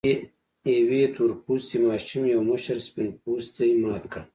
يوې تور پوستې ماشومې يو مشر سپين پوستي مات کړ.